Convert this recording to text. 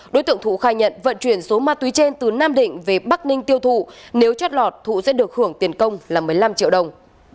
đối tượng thụ khai nhận vận chuyển số ma túy trên từ nam định về bắc ninh tiêu thụ nếu chót lọt thụ sẽ được hưởng tiền công là một mươi năm triệu đồng